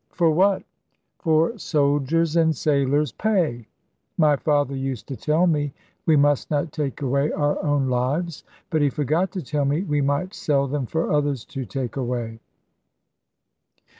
"For what?" "For soldiers' and sailors' pay." "My father used to tell me, we must not take away our own lives; but he forgot to tell me we might sell them for others to take away."